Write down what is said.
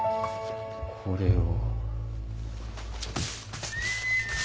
これを。